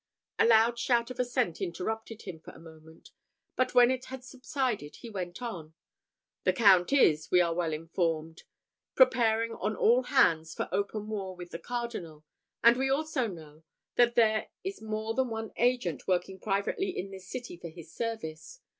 A loud shout of assent interrupted him for a moment; but when it had subsided he went on. "The Count is, we are well informed, preparing on all hands for open war with the cardinal; and we also know, that there is more than one agent working privately in this city for his service.